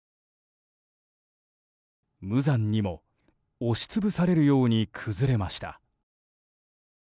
無残にも押し潰されるように崩れました。